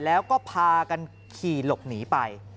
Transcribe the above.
แล้วก็พากันขี่หลบหนีไป